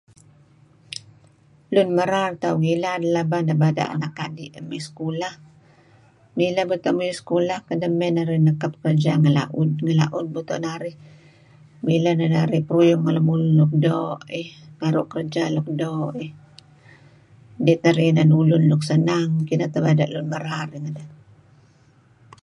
Lun merar tauh ngilad pelaba nebada' anak adi' mey sekulah, mileh beto' muyuh sekulah mey muyuh nekap kerja ngi la'ud. Ngi la'ud beto' narih, mileh neh narih peruyung ngen lemulun luk doo' eh naru' kerja luk doo' eh idih teh narih kereb senang. Kineh tebada' lun merar malem.